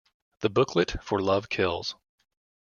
The booklet for Love Kills!